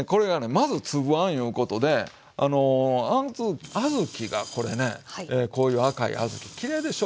まず粒あんいうことであの小豆がこれねこういう赤い小豆きれいでしょう？